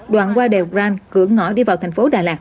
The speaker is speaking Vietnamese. đoạn qua đèo brank cửa ngõ đi vào thành phố đà lạt